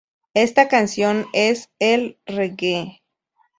Esta canción es el reggae.